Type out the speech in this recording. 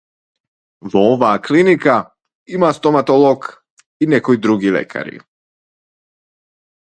Во оваа клиника има стоматолог и некои други лекари.